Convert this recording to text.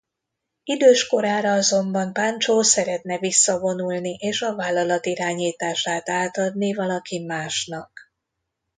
Idős korára azonban Pancho szeretne visszavonulni és a vállalat irányítását átadni valaki másnak.